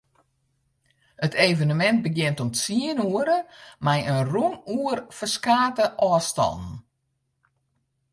It evenemint begjint om tsien oere mei in run oer ferskate ôfstannen.